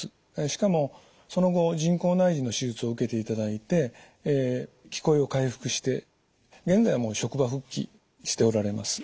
しかもその後人工内耳の手術を受けていただいて聞こえを回復して現在はもう職場復帰しておられます。